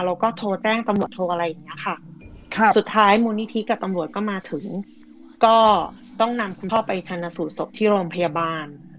เราก็โทรแจ้งตำรวจโทรอะไรอย่างเงี้ยค่ะครับสุดท้ายมูลนิธิกับตำรวจก็มาถึงก็ต้องนำคุณพ่อไปชันสูตรศพที่โรงพยาบาล